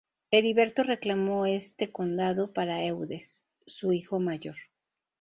Heriberto reclamó este condado para Eudes, su hijo mayor.